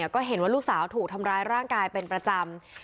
ก็เห็นว่าลูกสาวถูกทำร้ายร่างกายเป็นประจำ